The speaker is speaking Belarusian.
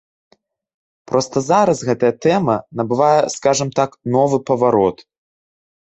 Проста зараз гэтая тэма набывае, скажам так, новы паварот.